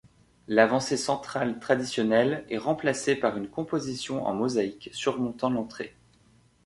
L'avancée centrale traditionnelle est remplacée par une composition en mosaïque surmontant l'entrée.